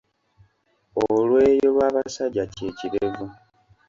Olweyo lw’abasajja kye kirevu.